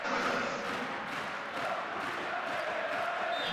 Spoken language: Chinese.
明朝洪武九年降为沅州。